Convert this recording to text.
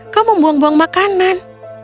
kamu membuang buang makanan